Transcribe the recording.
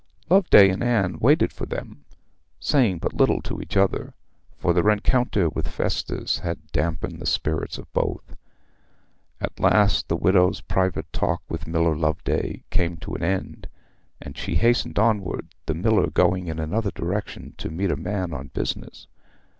Loveday and Anne waited for them, saying but little to each other, for the rencounter with Festus had damped the spirits of both. At last the widow's private talk with Miller Loveday came to an end, and she hastened onward, the miller going in another direction to meet a man on business.